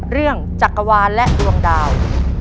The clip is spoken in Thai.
เรื่องจักรวาลและดวงดาว